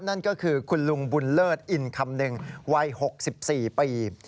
นั่นก็คือคุณลุงบุญเลิศอินคำนึงวัย๖๔ปี